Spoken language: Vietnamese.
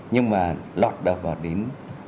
nhưng mà lọt vào đến